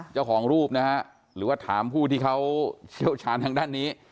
เจ้าของรูปนะฮะหรือว่าถามผู้ที่เขาเชี่ยวชาญทางด้านนี้